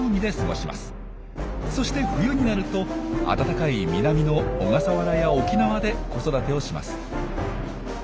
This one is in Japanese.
そして冬になると暖かい南の小笠原や沖縄で子育てをします。